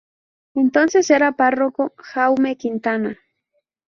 Entonces era párroco Jaume Quintana.